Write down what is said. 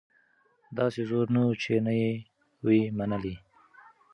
داسي زور نه وو چي نه یې وي منلي